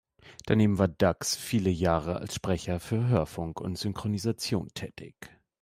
Daneben war Dux viele Jahre als Sprecher für Hörfunk und Synchronisation tätig.